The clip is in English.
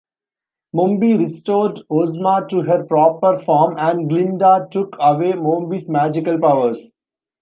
Mombi restored Ozma to her proper form, and Glinda took away Mombi's magical powers.